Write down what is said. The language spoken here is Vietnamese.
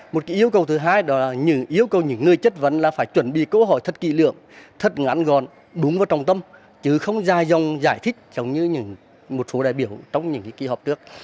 một cái yêu cầu thứ hai đó là yêu cầu những người chất vấn là phải chuẩn bị câu hỏi thật kỳ lượng thật ngắn gọn đúng vào trong tâm chứ không dài dòng giải thích giống như một số đại biểu trong những kỳ họp trước